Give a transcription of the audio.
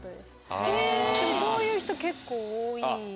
でもそういう人結構多い。